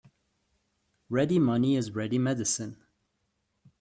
Ready money is ready medicine.